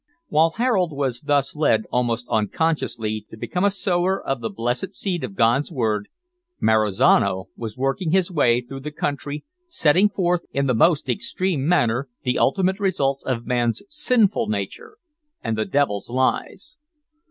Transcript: While Harold was thus led, almost unconsciously, to become a sower of the blessed seed of God's Word, Marizano was working his way through the country, setting forth, in the most extreme manner, the ultimate results of man's sinful nature, and the devil's lies.